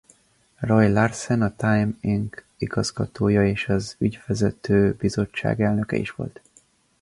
Roy Larsen a Time Inc. igazgatója és a ügyvezető bizottság elnöke is volt.